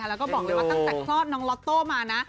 และเราก็บอกว่าตั้งแต่ฆ่าน้องล็อโตมา